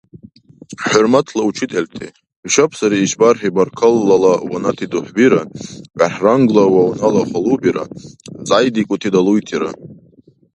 ХӀурматла учительти! ХӀушаб сари ишбархӀи баркаллала ванати дугьбира, верхӀрангла вавнала халубира, зайдикӀути далуйтира.